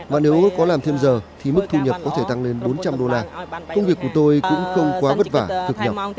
và nếu có làm thêm giờ thì mức thu nhập có thể tăng lên bốn trăm linh đô la công việc của tôi cũng không quá vất vả cực nhập